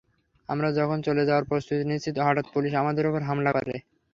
আমরা যখন চলে যাওয়ার প্রস্তুতি নিচ্ছি, হঠাৎ পুলিশ আমাদের ওপর হামলা করে।